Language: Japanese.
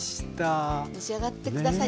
召し上がって下さい。